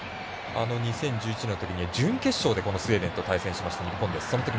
２０１１年のときには準決勝でこのスウェーデンと対戦しました日本です。